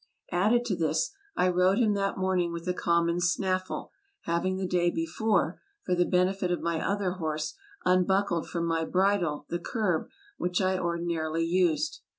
Added to this, I rode him that morning with a common snaffle, having the day before, for the benefit of my other horse, unbuckled from my bridle the curb which I ordinarily used.